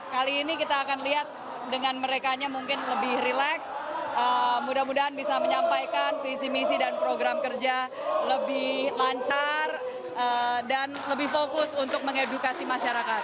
kali ini kita akan lihat dengan merekanya mungkin lebih rileks mudah mudahan bisa menyampaikan visi misi dan program kerja lebih lancar dan lebih fokus untuk mengedukasi masyarakat